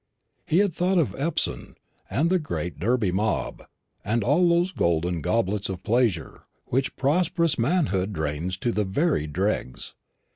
He had thought of Epsom, and the great Derby mob; and all of those golden goblets of pleasure which prosperous manhood drains to the very dregs.